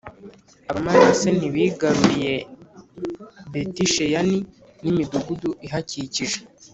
Abamanase ntibigaruriye Beti-Sheyani n’imidugudu ihakikije,